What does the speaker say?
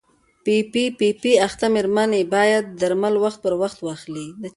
پي پي پي اخته مېرمنې باید درمل وخت پر وخت واخلي.